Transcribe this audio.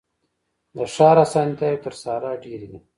د ښار اسانتیاوي تر صحرا ډیري دي.